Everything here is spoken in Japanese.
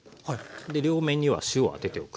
で両面には塩を当てておく。